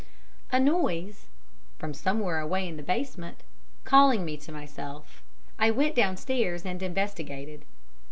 A noise, from somewhere away in the basement, calling me to myself, I went downstairs and investigated.